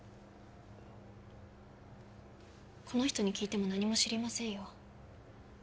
この人に聞いても何も知りませんよ